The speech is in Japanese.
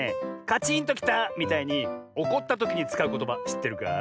「カチンときた」みたいにおこったときにつかうことばしってるか？